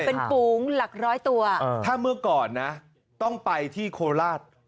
เป็นฝูงหลักร้อยตัวถ้าเมื่อก่อนนะต้องไปที่โคราช